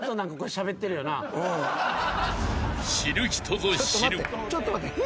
［知る人ぞ知る］